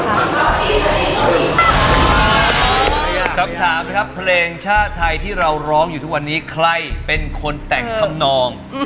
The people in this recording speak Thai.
คำถามนะครับเพลงชาติไทยที่เราร้องอยู่ทุกวันนี้ใครเป็นคนแต่งทำนอง